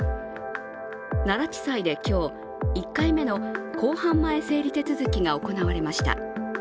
奈良地裁で今日、１回目の公判前整理手続が行われました。